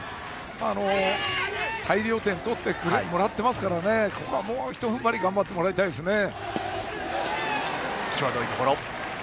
大量点をもらってますからここは、もう一踏ん張り頑張ってもらいたいですね。